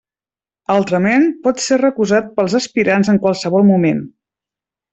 Altrament, pot ser recusat pels aspirants en qualsevol moment.